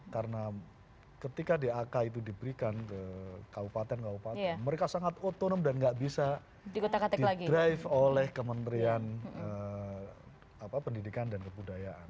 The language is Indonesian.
karena ketika dak itu diberikan ke kabupaten kabupaten mereka sangat otonom dan tidak bisa di drive oleh kementerian pendidikan dan kepudayaan